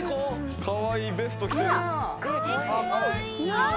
かわいい、ベスト着てる。